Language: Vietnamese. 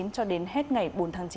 cho đến hết ngày bốn tháng chín